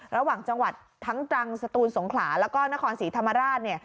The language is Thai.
ระหว่างจังหวัดทั้งตรังสตูนสงขลาแล้วก็นครศรีธรรมราช